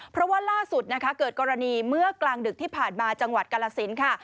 เพราะว่าล่าสุดนะคะเกิดกรณีเมื่อกลางดึกที่ผ่านมาจังหวัดกาลสินค่ะ